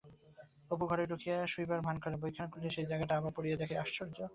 অপু ঘরে ঢুকিয়া শুইবার ভান করে, বইখানা খুলিয়া সেই জায়গাটা আবার পড়িয়া দেখে-আশ্চর্য!